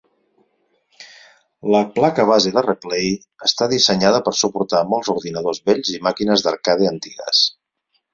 La placa base de Replay està dissenyada per suportar molts ordinadors vells i màquines d'arcade antigues.